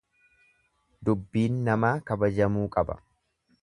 Dubbiin namaa kabajamuu qaba.